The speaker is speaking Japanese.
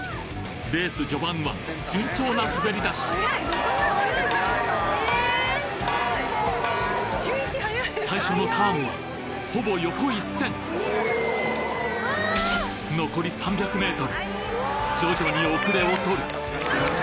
レース序盤は順調な滑り出し最初のターンはほぼ横一線徐々に遅れをとる。